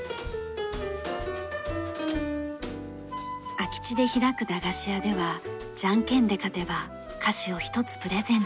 空き地で開く駄菓子屋ではじゃんけんで勝てば菓子を１つプレゼント。